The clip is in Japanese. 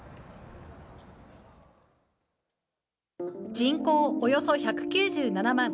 人口およそ１９７万。